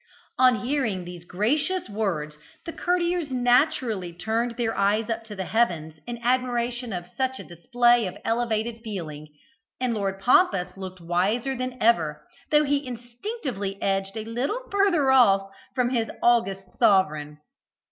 On hearing these gracious words, the courtiers naturally turned their eyes up to the heavens in admiration of such a display of elevated feeling; and Lord Pompous looked wiser than ever, though he instinctively edged a little further off from his august sovereign.